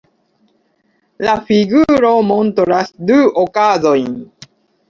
La figuro montras du okazojn.